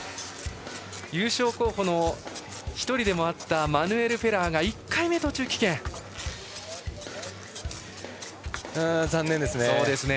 優勝候補の１人でもあったマヌエル・フェラーが残念ですね。